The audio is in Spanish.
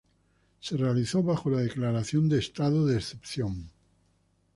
Se realizó bajo la declaratoria de Estado de Excepción.